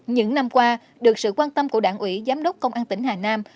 những năm qua được sự quan tâm của đảng ủy giám đốc công an tỉnh hà nam